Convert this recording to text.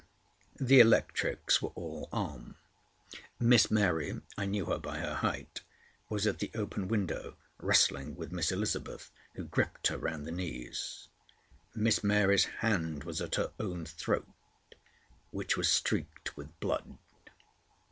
The electrics were all on. Miss Mary—I knew her by her height—was at the open window, wrestling with Miss Elizabeth, who gripped her round the knees. Miss Mary's hand was at her own throat, which was streaked with blood.